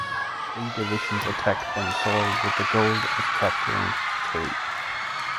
Three divisions attacked Ben Soi with the goal of capturing Tay.